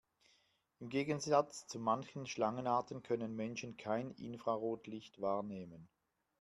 Im Gegensatz zu manchen Schlangenarten können Menschen kein Infrarotlicht wahrnehmen.